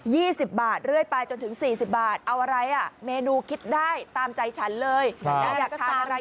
ครับ๒๐บาทเลื่อยไปจนถึง๔๐บาทเอาอะไรเนี่ยเมนูคิดได้ตามใจฉันเลยแต่อยากทานอะไร